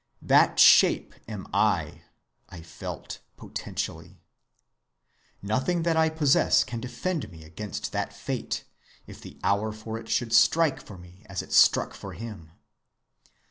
That shape am I, I felt, potentially. Nothing that I possess can defend me against that fate, if the hour for it should strike for me as it struck for him.